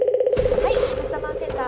はいカスタマーセンター